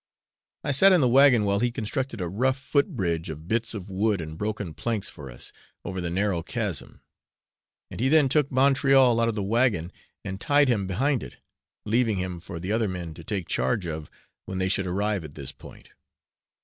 I sat in the wagon while he constructed a rough foot bridge of bits of wood and broken planks for us, over the narrow chasm, and he then took Montreal out of the wagon and tied him behind it, leaving him for the other men to take charge of when they should arrive at this point.